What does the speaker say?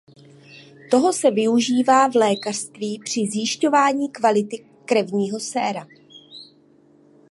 Toho se využívá v lékařství při zjišťování kvality krevního séra.